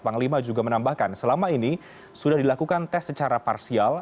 panglima juga menambahkan selama ini sudah dilakukan tes secara parsial